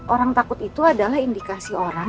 orang takut itu adalah indikasi orang